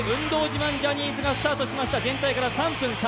運動自慢ジャニーズがスタートしました。